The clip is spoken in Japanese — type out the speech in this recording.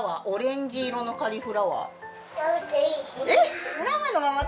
オレンジ色のカリフラワー。